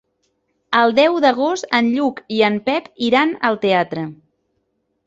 El deu d'agost en Lluc i en Pep iran al teatre.